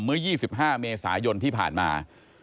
เมื่อ๒๕เมษายนที่ผ่านมา